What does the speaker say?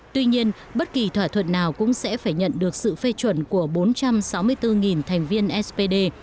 tuy nhiên bất kỳ thỏa thuận nào cũng sẽ phải nhận được sự phê chuẩn của bốn trăm sáu mươi bốn thành viên spd